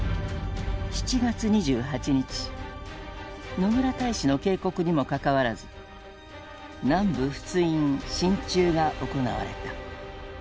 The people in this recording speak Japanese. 野村大使の警告にもかかわらず南部仏印進駐が行われた。